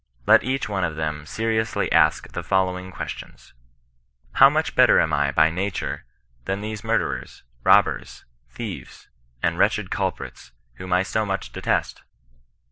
Let each one of them seriously ask the following questions :" How much better am I by nature than these mur derers, robbers, thieves, and wretched culprits, whom I so much detest?